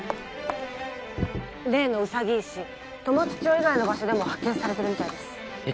例のウサギ石富松町以外の場所でも発見されてるみたいですえっ